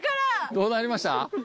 どうなりました？